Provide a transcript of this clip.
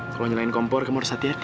kalau nyelain kompor kamu harus hati hati